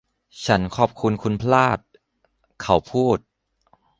ฉันขอบคุณคุณพลาด เขาพูด